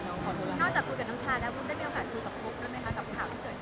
นอกจากคุมกับนักชาติแล้ว